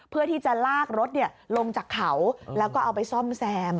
เพื่อที่จะลากรถลงจากเขาแล้วก็เอาไปซ่อมแซม